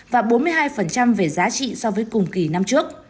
và bốn mươi hai về giá trị so với cùng kỳ năm trước